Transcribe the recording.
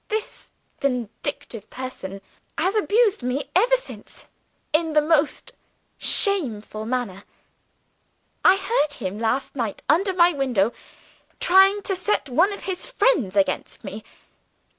This vindictive person has abused me ever since, in the most shameful manner. I heard him last night, under my window, trying to set one of his friends against me.